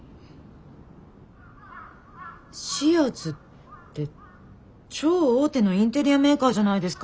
ＳＩＡＺって超大手のインテリアメーカーじゃないですか。